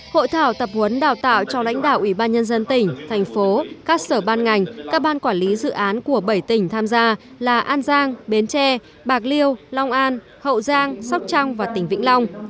hội thảo tập huấn đào tạo cho lãnh đạo ủy ban nhân dân tỉnh thành phố các sở ban ngành các ban quản lý dự án của bảy tỉnh tham gia là an giang bến tre bạc liêu long an hậu giang sóc trăng và tỉnh vĩnh long